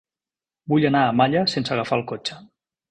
Vull anar a Malla sense agafar el cotxe.